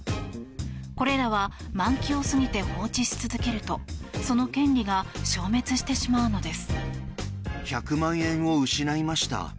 これらは満期を過ぎて放置し続けるとその権利が消滅してしまうのです。